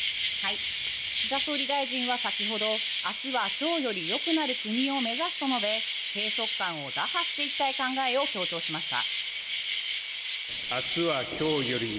岸田総理大臣は先ほど明日は今日よりよくなる国を目指すと述べ閉塞感を打破していきたい考えを強調しました。